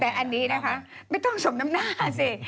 แต่อันนี้นะคะไม่ต้องสมน้ำหน้าสิ